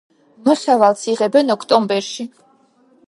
მოსავალს იღებენ ოქტომბერში.